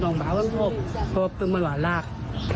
ไม่มีใครคาดคิดไงคะว่าเหตุการณ์มันจะบานปลายรุนแรงแบบนี้